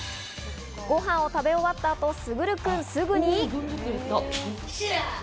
ごはんを食べ終わった後、優くん、すぐに。